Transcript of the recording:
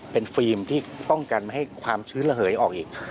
เป็นฟิล์มที่ป้องกันไม่ให้ความชื้นระเหยออกอีก